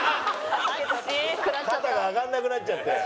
肩が上がんなくなっちゃって。